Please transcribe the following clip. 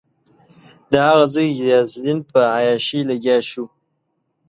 د هغه زوی غیاث الدین په عیاشي لګیا شو.